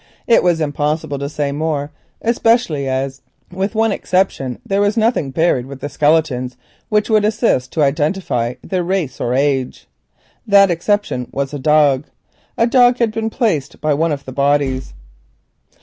It was impossible to say more, especially as with one exception there was nothing buried with the skeletons which would assist to identify their race or age. That exception was a dog. A dog had been placed by one of the bodies.